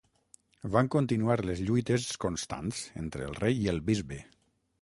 Van continuar les lluites constants entre el rei i el bisbe.